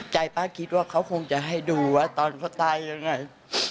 ใจป้าคิดว่าคงจะให้ดูว่าตอนขนาดไหน